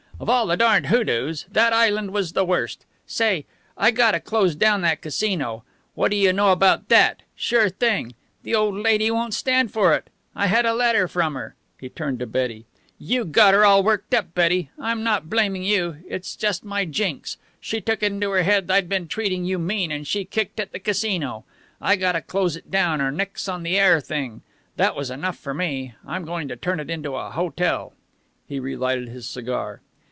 Of all the darned hoodoos that island was the worst. Say, I gotta close down that Casino. What do you know about that! Sure thing. The old lady won't stand for it. I had a letter from her." He turned to Betty. "You got her all worked up, Betty. I'm not blaming you. It's just my jinx. She took it into her head I'd been treating you mean, and she kicked at the Casino. I gotta close it down or nix on the heir thing. That was enough for me. I'm going to turn it into a hotel." He relighted his cigar.